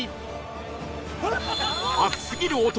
熱すぎる男